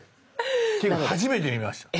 っていうか初めて見ました。